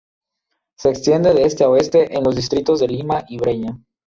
Se extiende de este a oeste en los distritos de Lima y Breña.